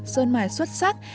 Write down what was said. sơn mài xuất sắc